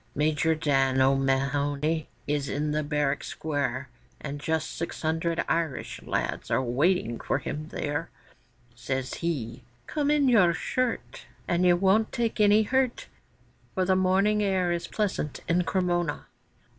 Major Dan O'Mahony is in the barrack square, And just six hundred Irish lads are waiting for him there; Says he, 'Come in your shirt, And you won't take any hurt, For the morning air is pleasant in Cremona.